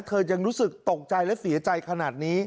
ยังรู้สึกตกใจและเสียใจขนาดนี้